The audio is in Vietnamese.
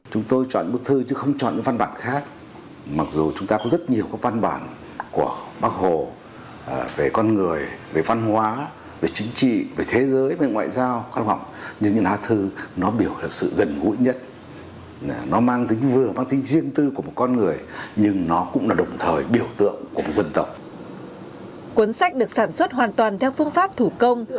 cuốn sách được sản xuất hoàn toàn theo phương pháp thủ công